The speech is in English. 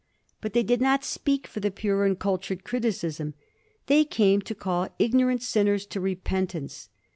But they did not speak for the pure and cultured criticism. They came to call ignorant sinners to repentance.